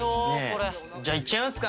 じゃあ行っちゃいますか！